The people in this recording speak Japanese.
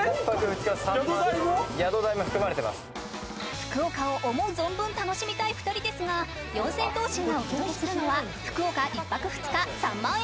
福岡を思う存分楽しみたい２人ですが四千頭身がお届けするのは福岡１泊２日３万円